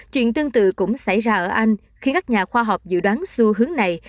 chuyện tương tự cũng xảy ra ở anh khi các nhà khoa học dự đoán xu hướng này